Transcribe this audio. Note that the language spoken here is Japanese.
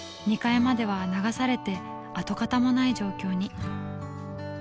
２階までは流されて跡形もない状況に。